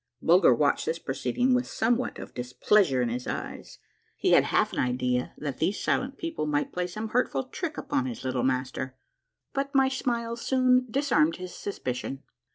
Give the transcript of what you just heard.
Bulger watched the proceeding with somewdiat of displeas ure in his eyes ; he had half an idea that these silent people might play some hurtful trick upon his little master. But my smile soon disarmed his suspicion.